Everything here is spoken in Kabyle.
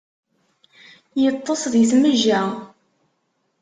Iṭṭes di tmejja.